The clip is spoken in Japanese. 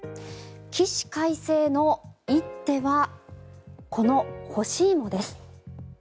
起死回生の一手はこの干し芋です。